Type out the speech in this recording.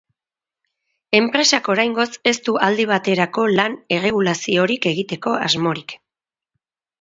Enpresak oraingoz ez du aldi baterako lan-erregulaziorik egiteko asmorik.